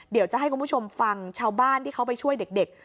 เดี๋ยวจะให้คุณผู้ชมฟังชาวบ้านที่เขาไปช่วยเด็ก